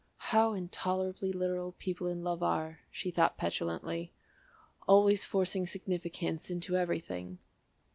"How intolerably literal people in love are," she thought petulantly; "always forcing significance into everything."